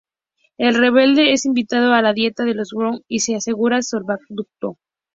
El rebelde es invitado a la "Dieta de Worms" y se le asegura salvoconducto.